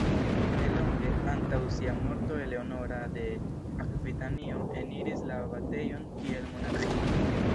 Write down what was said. Ne longe antaŭ sia morto Eleonora de Akvitanio eniris la abatejon kiel monaĥino.